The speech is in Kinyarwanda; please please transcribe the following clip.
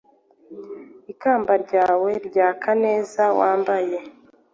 Ikamba ryawe ryaka neza Wambaye,